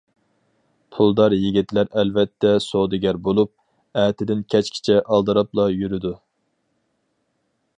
پۇلدار يىگىتلەر ئەلۋەتتە سودىگەر بولۇپ، ئەتىدىن كەچكىچە ئالدىراپلا يۈرىدۇ.